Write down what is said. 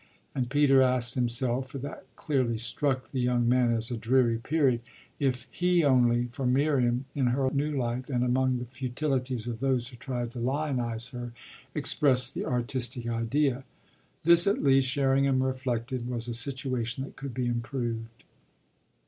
And Peter asked himself for that clearly struck the young man as a dreary period if he only, for Miriam, in her new life and among the futilities of those who tried to lionise her, expressed the artistic idea. This at least, Sherringham reflected, was a situation that could be improved.